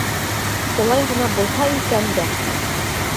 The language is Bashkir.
Улай ғына булһа икән дә.